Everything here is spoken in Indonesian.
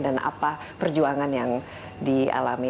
dan apa perjuangan yang dialami